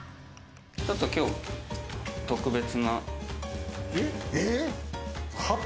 ちょっと今日は特別な。